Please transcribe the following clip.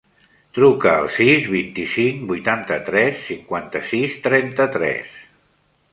Truca al sis, vint-i-cinc, vuitanta-tres, cinquanta-sis, trenta-tres.